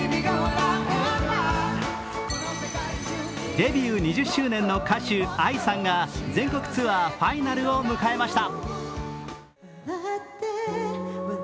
デビュー２０周年の歌手・ＡＩさんが全国ツアーファイナルを迎えました。